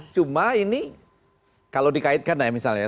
cuma ini kalau dikaitkan ya misalnya